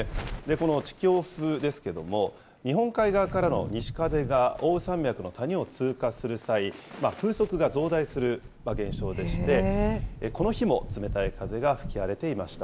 この地峡風ですけども、日本海側からの西風が奥羽山脈の谷を通過する際、風速が増大する現象でして、この日も冷たい風が吹き荒れていました。